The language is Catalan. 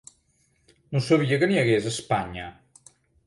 No sabia que n'hi hagués, a Espanya!